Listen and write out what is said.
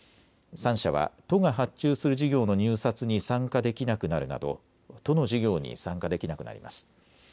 ３社は都が発注する事業の入札に参加できなくなるなど都の事業に参加できなくなります。